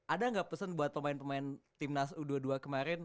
ada nggak pesan buat pemain pemain timnas u dua puluh dua kemarin